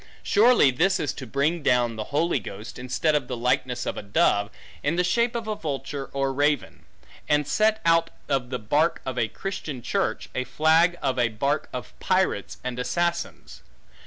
Surely this is to bring down the Holy Ghost, instead of the likeness of a dove, in the shape of a vulture or raven; and set, out of the bark of a Christian church, a flag of a bark of pirates, and assassins.